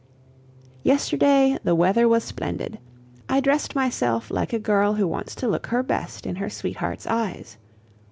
Yesterday the weather was splendid. I dressed myself like a girl who wants to look her best in her sweetheart's eyes.